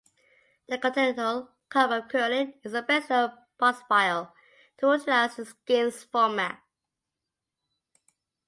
The Continental Cup of Curling is the best-known bonspiel to utilize the skins format.